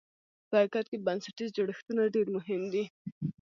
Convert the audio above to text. په حقیقت کې بنسټیز جوړښتونه ډېر مهم دي.